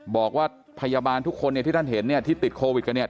บอกว่าพยาบาลทุกคนที่ท่านเห็นที่ติดโควิดกันเนี่ย